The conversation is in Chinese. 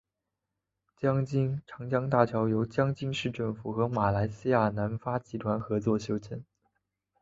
江津长江大桥由江津市政府和马来西亚南发集团合作修建。